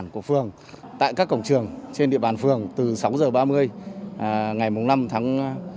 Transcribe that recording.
các cổng trường trên địa bàn phường từ sáu giờ ba mươi ngày năm tháng chín